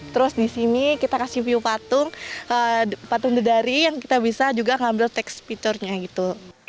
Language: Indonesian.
terus di sini kita kasih view patung dedari yang kita bisa juga ngambil tax fiturnya gitu